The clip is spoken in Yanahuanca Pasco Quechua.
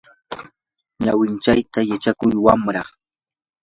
ñawinchayta yachakuy wamra.